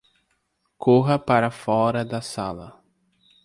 Corra para fora da sala